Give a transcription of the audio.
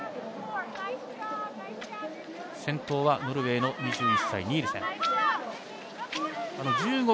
先頭はノルウェーの２１歳ニールセン。